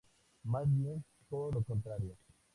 Más bien, todo lo contrario.